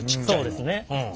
そうですね。